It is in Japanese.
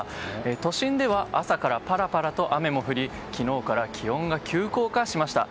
都心では朝からパラパラと雨も降り昨日から気温が急降下しました。